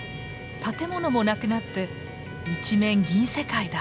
建物もなくなって一面銀世界だ！